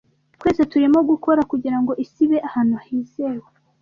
Twese turimo gukora kugirango isi ibe ahantu hizewe.